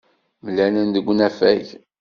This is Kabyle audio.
Mlalen deg unafag.